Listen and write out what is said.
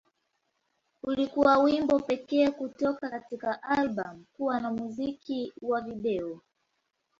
Ulikuwa wimbo pekee kutoka katika albamu kuwa na na muziki wa video.